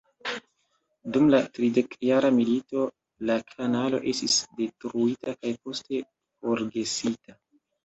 Dum la tridekjara milito la kanalo estis detruita kaj poste forgesita.